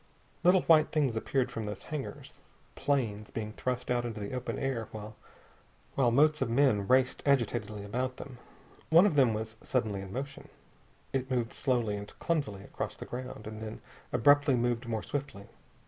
Little white things appeared from those hangars planes being thrust out into the open air while motes of men raced agitatedly about them. One of them was suddenly in motion. It moved slowly and clumsily across the ground, and then abruptly moved more swiftly.